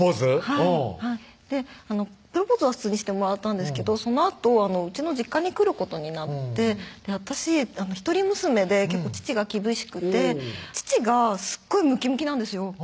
はいプロポーズは普通にしてもらったんですけどそのあとうちの実家に来ることになって私一人娘で結構父が厳しくて父がすっごいムキムキなんですよ